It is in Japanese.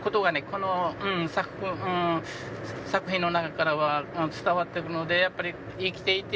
この作品の中からは伝わってくるのでやっぱり。